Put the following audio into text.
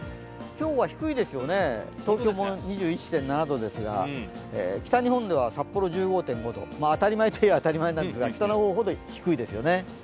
今日は低いですよね、東京も２１．７度ですが、北日本では札幌１５．５度、当たり前と言えば当たり前なんですが、北の方ほど低いですよね。